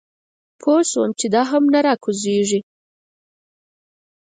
پوی شوم چې دا هم نه راکوزېږي.